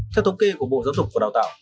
theo thống kê của bộ giáo dục và đào tạo